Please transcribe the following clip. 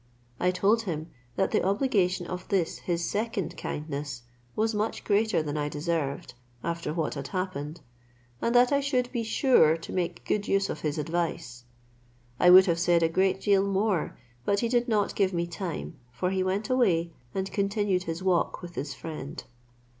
I told him that the obligation of this his second kindness was much greater than I deserved, after what had happened, and that I should be sure to make good use of his advice. I would have said a great deal more, but he did not give me time, for he went away, and continued his walk with his friend.